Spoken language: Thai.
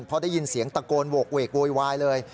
เพราะได้ยินเสียงตะโกนโหกเวกโวยวายเลย